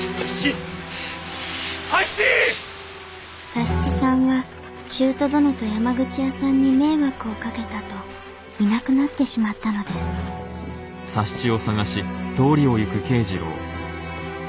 佐七さんは舅殿と山口屋さんに迷惑をかけたと居なくなってしまったのです馬鹿